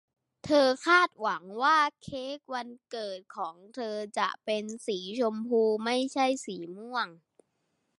เธอคาดหวังว่าเค้กวันเกิดของเธอจะเป็นสีชมพูไม่ใช่สีม่วง